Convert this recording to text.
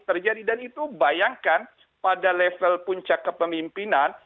terjadi dan itu bayangkan pada level puncak kepemimpinan